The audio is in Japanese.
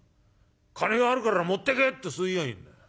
『金があるから持ってけ』ってそう言やぁいいんだよ。